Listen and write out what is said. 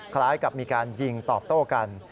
คล้ายกับมีการยิงตอบโต้กัน